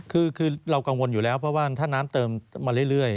คือเรากังวลอยู่แล้วเพราะว่าถ้าน้ำเติมมาเรื่อย